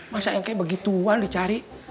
masa yang kayak begituan dicari